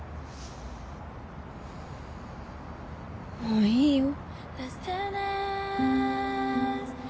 もういいよ。